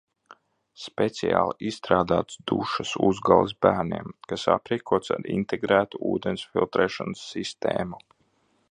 Speciāli izstrādāts dušas uzgalis bērniem, kas aprīkots ar integrētu ūdens filtrēšanas sistēmu